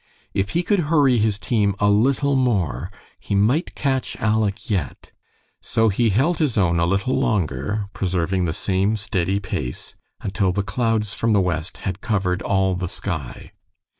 If he could hurry his team a little more, he might catch Aleck yet; so he held his own a little longer, preserving the same steady pace, until the clouds from the west had covered all the sky.